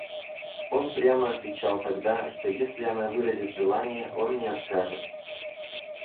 Он прямо отвечал тогда, что если она выразит желание, он не откажет.